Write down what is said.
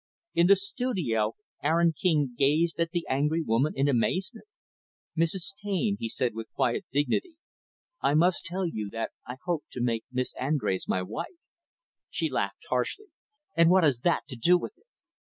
In the studio, Aaron King gazed at the angry woman in amazement. "Mrs. Taine," he said, with quiet dignity, "I must tell you that I hope to make Miss Andrés my wife." She laughed harshly. "And what has that to do with it?"